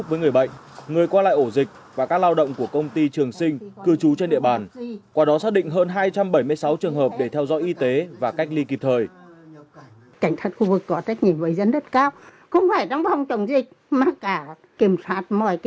không phải trong phòng chống dịch mà cả kiểm soát mọi hoạt động khác